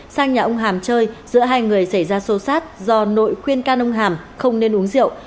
sang nhà ông hàm chơi giữa hai người xảy ra sô sát do nội khuyên can ông hàm không nên uống rượu